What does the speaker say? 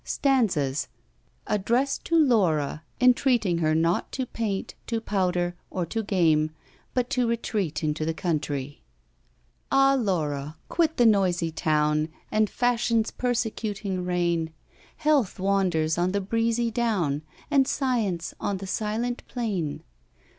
STANZAS ADDRESSED TO LAURA, ENTREATING HER NOT TO PAINT, TO POWDER, OR TO GAME, BUT TO RETREAT INTO THE COUNTRY. AH, LAURA! quit the noisy town, And FASHION'S persecuting reign: Health wanders on the breezy down, And Science on the silent plain.